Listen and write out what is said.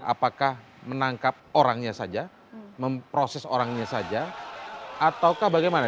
apakah menangkap orangnya saja memproses orangnya saja ataukah bagaimana